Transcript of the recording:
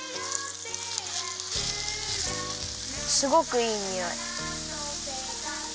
すごくいいにおい。